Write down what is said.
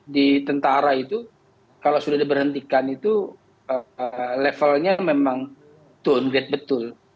di tentara itu kalau sudah diberhentikan itu levelnya memang tone gate betul